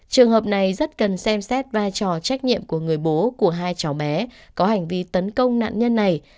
trường hợp này rất cần xem xét vai trò trách nhiệm của người bố của hai cháu bé có hành vi tấn công nạn nhân này